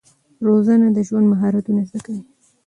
روزنه د ژوند مهارتونه زده کوي.